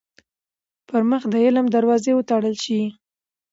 پـر مـخ د عـلم دروازې وتـړل شي.